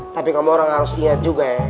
ah nih tapi kamu orang harus lihat juga ya